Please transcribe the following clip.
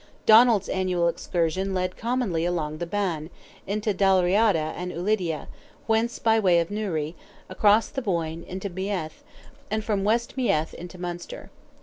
Donald's annual excursion led commonly along the Bann, into Dalriada and Ulidia, Whence by way of Newry, across the Boyne, into Meath, and from West Meath into Munster.